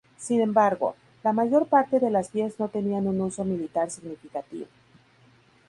Sin embargo, la mayor parte de las vías no tenían un uso militar significativo.